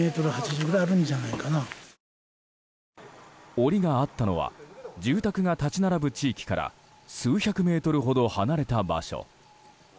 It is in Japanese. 檻があったのは住宅が立ち並ぶ地域から数百メートルほど離れた場所。